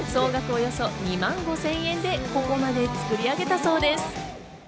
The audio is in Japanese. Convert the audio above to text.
およそ２万５０００円でここまで作り上げたそうです。